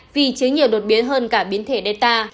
vì chế nhiều đột biến hơn cả biến thể delta